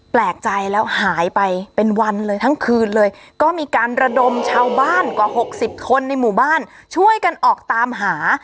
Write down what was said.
แปลกใจแล้วหายไปเป็นวันเลยทั้งคืนเลยก็มีการระดมชาวบ้านกว่าหกสิบคนในหมู่บ้านช่วยกันออกตามหา